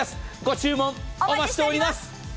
ご注文お待ちしております。